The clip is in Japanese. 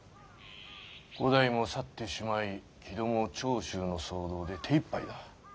五代も去ってしまい木戸も長州の騒動で手いっぱいだ。